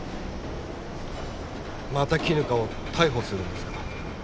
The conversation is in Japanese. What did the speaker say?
また絹香を逮捕するんですか？